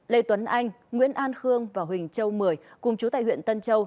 lê tuấn anh nguyễn an khương và huỳnh châu mười cùng chú tại huyện tân châu